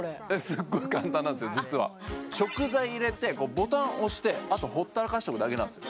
実は食材入れてボタン押してあとほったらかしとくだけなんです